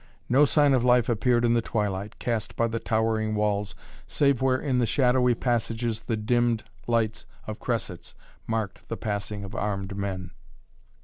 No sign of life appeared in the twilight, cast by the towering walls, save where in the shadowy passages the dimmed lights of cressets marked the passing of armed men.